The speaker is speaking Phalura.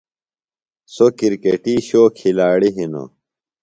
سو کِرکٹی شو کِھلاڑیۡ ہنوۡ۔